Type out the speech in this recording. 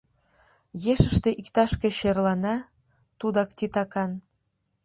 Ешыште иктаж-кӧ черлана — тудак титакан.